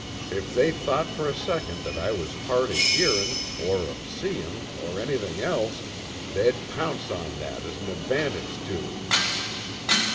If they thought fer a second that I was hard of hearin' or of seein' or anything else, they'd pounce on that as an advantage tuh them."